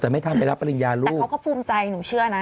แต่ไม่ทันไปรับปริญญาลูกแต่เขาก็ภูมิใจหนูเชื่อนะ